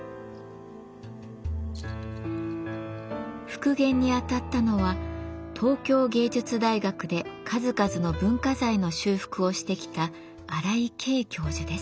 復元にあたったのは東京藝術大学で数々の文化財の修復をしてきた荒井経教授です。